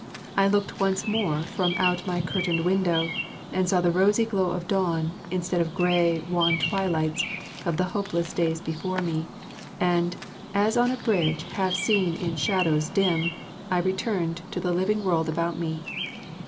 I looked once more from out my curtained window, and saw the rosy glow of dawn instead of grey, wan twilights of the hopeless days before me; and, as on a bridge half seen in shadows dim, I returned to the living world about me.